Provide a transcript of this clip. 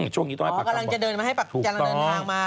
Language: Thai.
ช่วงนี้ต้องให้ปากคำถูกต้องกำลังจะเดินทางมา